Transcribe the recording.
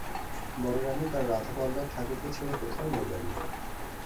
বড়োরানী তাঁর রাধাবল্লভ ঠাকুরকে ছেড়ে কোথাও নড়বেন না।